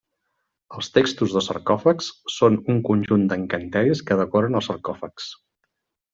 Els Textos dels Sarcòfags són un conjunt d'encanteris que decoren els sarcòfags.